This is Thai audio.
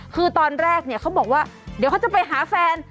คือตอนแรกเนี่ยเขาบอกว่าเดี๋ยวเขาจะไปหาแฟน